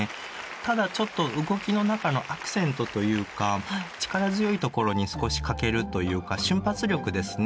ただちょっと動きの中のアクセントというか力強いところに少し欠けるというか瞬発力ですね。